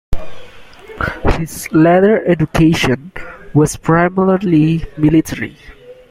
His later education was primarily military.